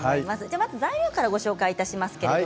まず材料からご紹介します。